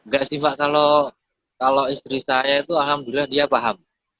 gak sih pak kalau istri saya itu alhamdulillah dia paham